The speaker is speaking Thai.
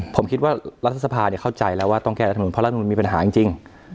ผมคิดว่ารัฐสภาเข้าใจแล้วว่าต้องแก้รัฐมนุเพราะรัฐมนุนมีปัญหาจริง